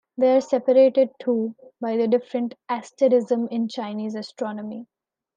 They are separated too by the different asterism in Chinese astronomy.